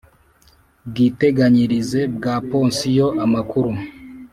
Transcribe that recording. bwiteganyirize bwa pansiyo amakuru